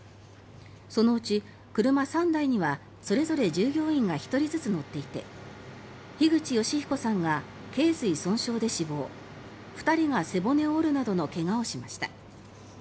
そのうち車３台にはそれぞれ従業員が１人ずつ乗っていて樋口善彦さんが頸髄損傷で死亡２人が背骨を折るなどの怪我をしました。